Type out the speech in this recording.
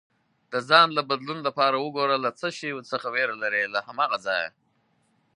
د ځان له بدلون لپاره وګوره له څه شي څخه ویره لرې، له هماغه ځایه